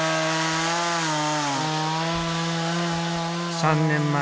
３年前。